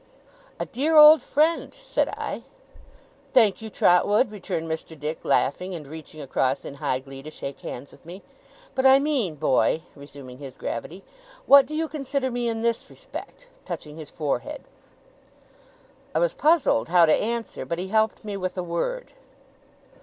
'A dear old friend,' said I. 'Thank you, Trotwood,' returned Mr. Dick, laughing, and reaching across in high glee to shake hands with me. 'But I mean, boy,' resuming his gravity, 'what do you consider me in this respect?' touching his forehead. I was puzzled how to answer, but he helped me with a word.